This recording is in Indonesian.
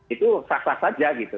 itu sah sah saja gitu